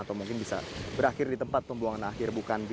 atau mungkin bisa berakhir di tempat pembuangan akhir